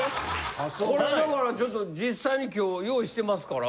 これだからちょっと実際に今日用意してますから。